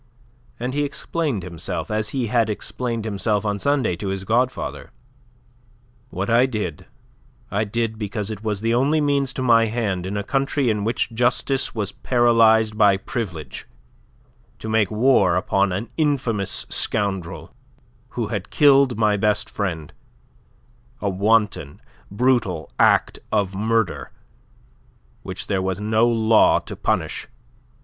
And he explained himself, as he had explained himself on Sunday to his godfather. "What I did, I did because it was the only means to my hand in a country in which justice was paralyzed by Privilege to make war upon an infamous scoundrel who had killed my best friend a wanton, brutal act of murder, which there was no law to punish.